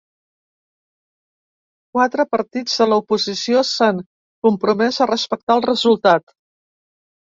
Quatre partits de l’oposició s’han compromès a respectar el resultat.